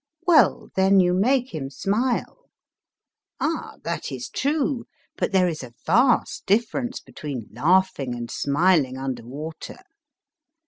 ( Well, then, you make him smile. Ah ! that is true, but there is a vast difference between laughing and smiling under water.